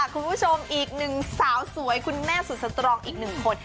คุณผู้ชมอีกหนึ่งสาวสวยคุณแม่สุดสตรองอีกหนึ่งคน